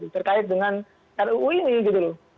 terkait dengan ruu ini gitu loh